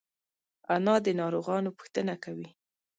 انا د ناروغانو پوښتنه کوي